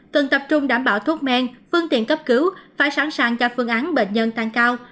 cần tập trung đảm bảo thuốc men phương tiện cấp cứu phải sẵn sàng cho phương án bệnh nhân tăng cao